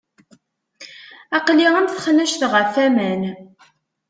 Aql-i am texnact ɣef waman.